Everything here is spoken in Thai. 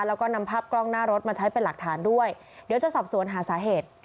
แล้วก็นำภาพกล้องหน้ารถมาใช้เป็นหลักฐานด้วยเดี๋ยวจะสอบสวนหาสาเหตุ